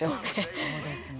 そうですね。